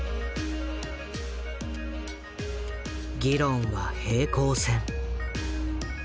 議論は平行線。